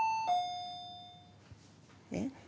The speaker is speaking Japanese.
えっ？